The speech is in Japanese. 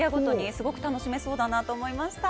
すごく楽しめそうだなと思いました。